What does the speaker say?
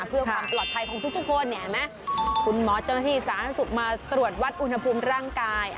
เพื่อความปลอดภัยของทุกคนเนี่ยเห็นไหมคุณหมอเจ้าหน้าที่สาธารณสุขมาตรวจวัดอุณหภูมิร่างกาย